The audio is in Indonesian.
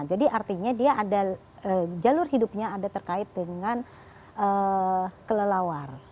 jadi artinya dia ada jalur hidupnya ada terkait dengan kelelawar